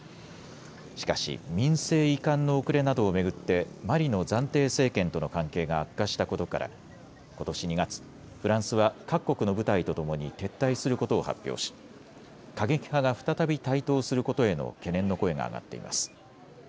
しかし民政移管の遅れなどを巡ってマリの暫定政権との関係が悪化したことからことし２月、フランスは各国の部隊とともに撤退することを発表し過激派が再び台頭することへの懸念の声が上がっています。